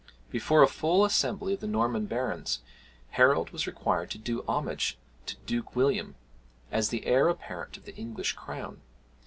Before a full assembly of the Norman barons, Harold was required to do homage to Duke William, as the heir apparent of the English crown.